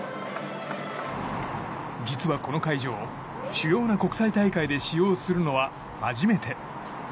実はこの会場、主要な国際大会で使用するのは初めて。